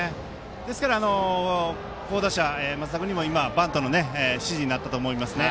ですから、好打者の松田君にもバントの指示になったんだと思います。